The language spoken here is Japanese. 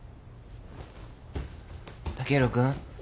剛洋君。